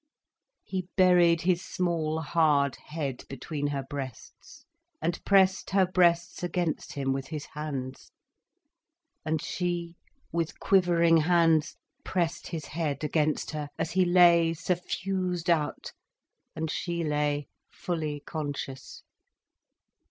He buried his small, hard head between her breasts, and pressed her breasts against him with his hands. And she with quivering hands pressed his head against her, as he lay suffused out, and she lay fully conscious.